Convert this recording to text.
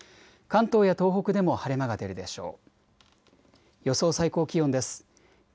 関東や東北でも晴れ間が出るでしょう。